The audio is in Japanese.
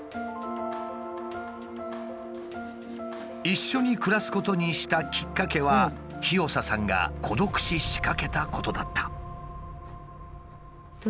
一緒に暮らすことにしたきっかけはひよささんが孤独死しかけたことだった。